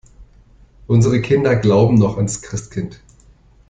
Unsere Kinder glauben noch ans Christkind.